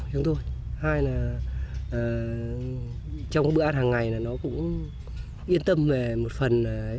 hai là trong bữa ăn hàng ngày nó cũng yên tâm về một phần